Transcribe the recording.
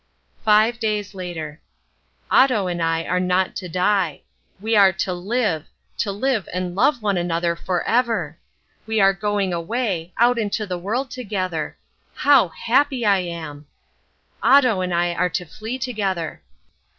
Five Days Later. Otto and I are not to die. We are to live; to live and love one another for ever! We are going away, out into the world together! How happy I am! Otto and I are to flee together.